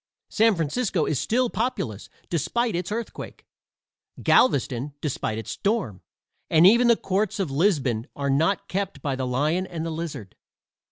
San Francisco is still populous, despite its earthquake, Galveston despite its storm, and even the courts of Lisbon are not kept by the lion and the lizard.